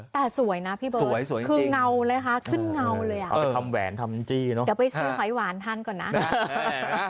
เดี๋ยวไปซื้อหอยหวานท่านก่อนนะ